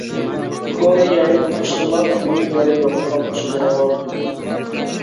كونا يارنى تاشلىماڭ، يېڭى يار يالغانچىدۇر.